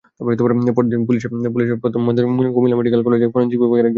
পরদিন লাশের প্রথম ময়নাতদন্ত করেন কুমিল্লা মেডিকেল কলেজের ফরেনসিক বিভাগের একজন চিকিৎসক।